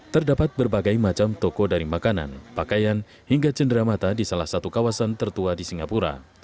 terdapat berbagai macam toko dari makanan pakaian hingga cenderamata di salah satu kawasan tertua di singapura